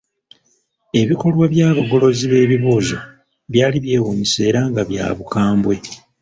Ebikolwa by'abagolozi b'ebibuuzo byali byewuunyisa era nga bya bukambwe.